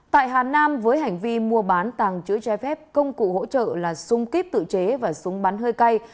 tại hà nam với hành vi mua bán tàng chữ trái phép công cụ hỗ trợ là súng kíp tự chế và súng bắn hơi cay